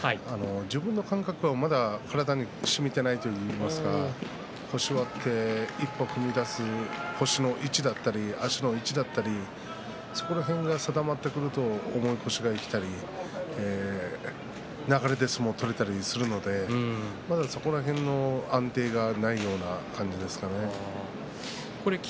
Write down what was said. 自分の感覚がまだ体にしみていないといいますか腰を割って、一歩踏み出す腰の位置だったり足の位置だったりそこら辺が定まってくると重い腰が生きたり流れで相撲が取れたりするのでまだそこら辺の安定がないような感じですかね。